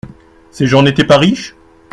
Ces gens n’étaient pas riches ?